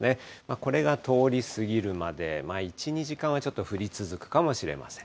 これが通り過ぎるまで、１、２時間は降り続くかもしれません。